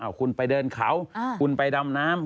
คุณไปเดินเขาคุณไปดำน้ำ